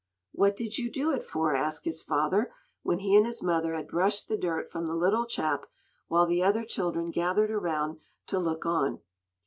"What did you do it for?" asked his father, when he and his mother had brushed the dirt from the little chap, while the other children gathered around to look on.